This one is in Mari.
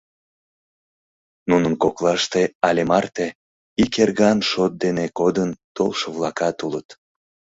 Нунын коклаште але марте ик эрган шот дене кодын толшо-влакат улыт.